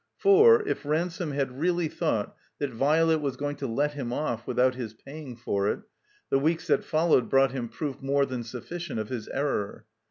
For, if Ransome had really thought that Violet was going to let him off without his paying for it, the weeks that followed brought him proof more than sufficient of his error.